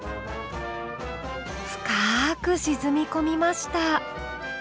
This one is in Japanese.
深く沈み込みました。